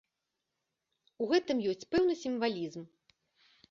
У гэтым ёсць пэўны сімвалізм.